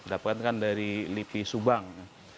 dapatkan dari lipi subang